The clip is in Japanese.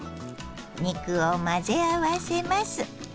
肉を混ぜ合わせます。